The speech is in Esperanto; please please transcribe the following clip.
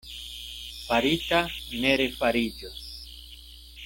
Farita ne refariĝos.